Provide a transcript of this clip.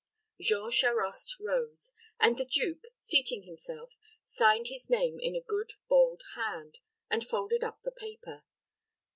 Jean Charost rose, and the duke, seating himself, signed his name in a good bold hand, and folded up the paper.